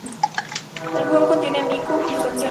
El juego contiene a Miku y sus canciones.